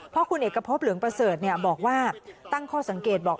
เพราะคุณเอกพบเหลืองประเสริฐบอกว่าตั้งข้อสังเกตบอก